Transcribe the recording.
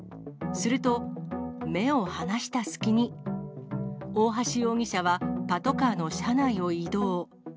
すると、目を離した隙に、オオハシ容疑者はパトカーの車内を移動。